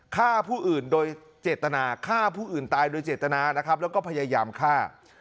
ฆ่าผู้อื่นโดยเจตนาฆ่าผู้อื่นตายโดยเจตนานะครับแล้วก็พยายามฆ่า